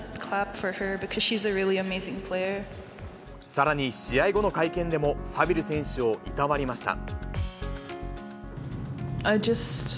さらに試合後の会見でもサビル選手をいたわりました。